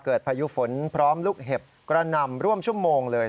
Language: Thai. พายุฝนพร้อมลูกเห็บกระหน่ำร่วมชั่วโมงเลย